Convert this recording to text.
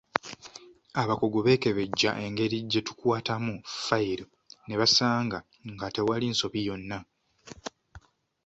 Abakugu beekebejja engeri gyetukwatamu ffayiro ne basanga nga tewali nsobi yonna.